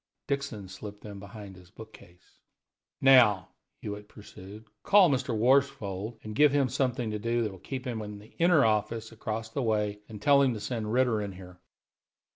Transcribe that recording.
Dixon slipped them behind his book case. "Now," Hewitt pursued, "call Mr. Worsfold and give him something to do that will keep him in the inner office across the way, and tell him to send Ritter here."